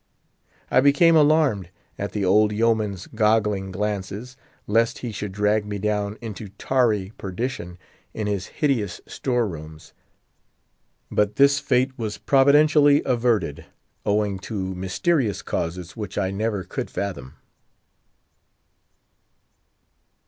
I became alarmed at the old Yeoman's goggling glances, lest he should drag me down into tarry perdition in his hideous store rooms. But this fate was providentially averted, owing to mysterious causes which I never could fathom.